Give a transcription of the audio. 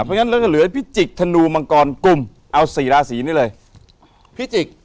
เพราะฉะนั้นเราจะเหลือพิจิกธนูมังกรกลุ่มเอาสี่ราศีนี้เลยพิจิก